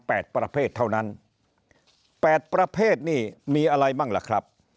ประเภทเท่านั้นแปดประเภทนี่มีอะไรบ้างล่ะครับ